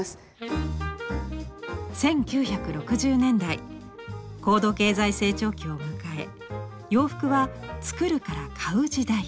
１９６０年代高度経済成長期を迎え洋服は「作る」から「買う」時代へ。